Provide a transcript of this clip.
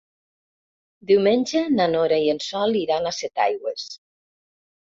Diumenge na Nora i en Sol iran a Setaigües.